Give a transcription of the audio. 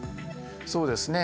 そうですね。